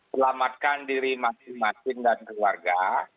selamatkan diri masing masing dan keluarga